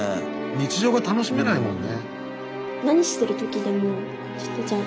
日常が楽しめないもんね。